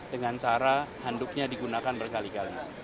dengan cara handuknya digunakan berkali kali